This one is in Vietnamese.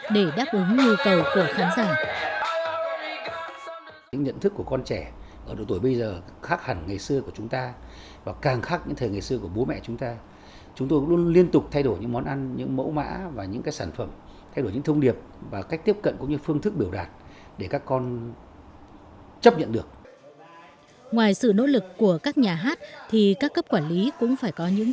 để đáp ứng nhu cầu của khán giả ngoài sự nỗ lực của các nhà hát thì các cấp quản lý cũng phải có những